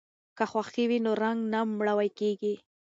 که خوښي وي نو رنګ نه مړاوی کیږي.